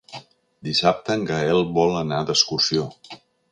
Dissabte en Gaël vol anar d'excursió.